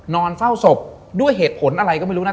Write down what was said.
นอนเฝ้าศพด้วยเหตุผลอะไรก็ไม่รู้นะ